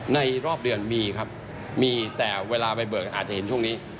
ในรอบเดือนมีครับมีแต่เวลาไปเบิกอาจจะเห็นช่วงนี้